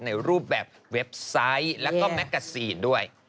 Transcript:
ในรูปแบบเว็บไซต์แล้วก็แมกกาซีนด้วย